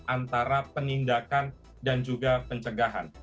antara penindakan dan juga pencegahan